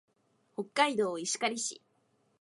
北海道石狩市